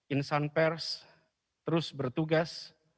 insan pers terus bertugas